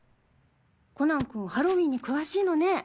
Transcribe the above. コナン君ハロウィンに詳しいのね。